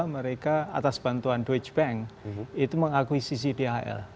mereka atas bantuan doge bank itu mengakuisisi dhl